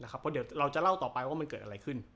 เพราะเดี๋ยวเราจะเล่าต่อไปว่ามันเกิดอะไรขึ้น